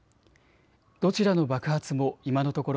どちらの爆発も今のところ